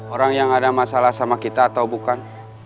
orang yang ada masalah sama kita atau bukan